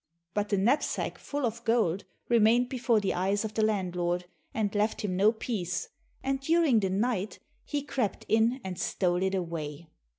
But the knapsack full of gold remained before the eyes of the landlord, and left him no peace, and during the night he crept in and stole it away.